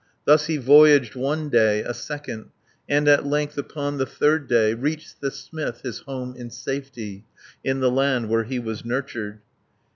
Thus he voyaged one day, a second, And at length upon the third day, Reached the smith his home in safety, In the land where he was nurtured.